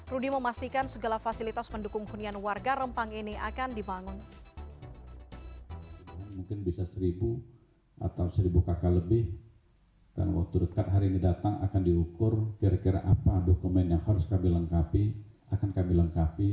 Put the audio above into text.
rudy memastikan segala fasilitas pendukung hunian warga rempang ini akan dibangun